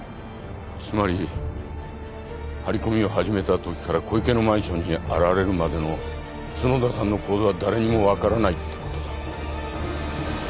つまり張り込みを始めたときから小池のマンションに現れるまでの角田さんの行動は誰にも分からないってことだ。